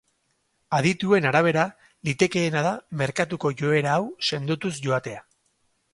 Adituen arabera, litekeena da merkatuko joera hau sendotuz joatea.